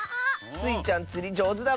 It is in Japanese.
スイちゃんつりじょうずだもんね。